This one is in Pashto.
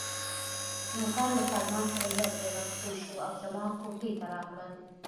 نوکر له سلمان سره یو ځای راستون شو او زما کوټې ته راغلل.